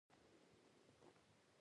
هغه ناگهانه د یو شي د ماتیدو غږ واورید.